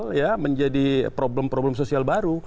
jadi ini menjadi problem problem sosial baru